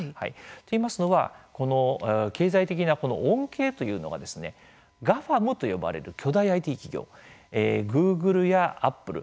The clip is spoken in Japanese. といいますのは経済的な恩恵というのがＧＡＦＡＭと呼ばれる巨大ＩＴ企業グーグルやアップル